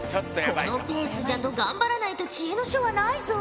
このペースじゃと頑張らないと知恵の書はないぞ。